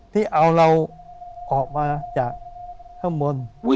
ที่เอาเราออกมาจากข้างบน